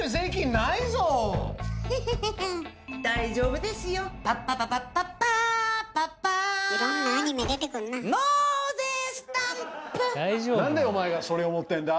なんでお前がそれを持ってんだ